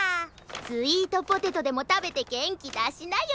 スイートポテトでもたべてげんきだしなよ。